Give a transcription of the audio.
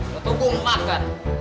lo tau gue mau makan